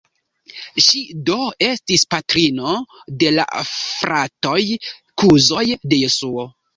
Ŝi do estis patrino de la fratoj-kuzoj de Jesuo.